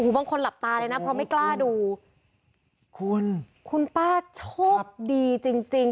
บางคนหลับตาเลยนะเพราะไม่กล้าดูคุณคุณป้าโชคดีจริงจริง